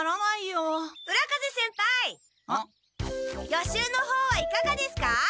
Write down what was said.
予習の方はいかがですか？